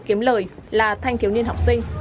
kiếm lời là thanh thiếu niên học sinh